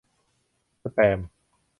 สแปม ?